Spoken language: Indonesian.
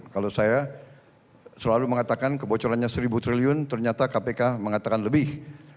kalau saya selalu mengatakan kebocorannya rp satu triliun ternyata kpk mengatakan lebih